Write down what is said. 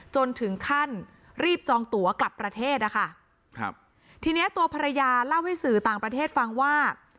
จนถึงขั้นรีบจองตัวกลับประเทศอะค่ะครับทีเนี้ยตัวภรรยาเล่าให้สื่อต่างประเทศฟังว่า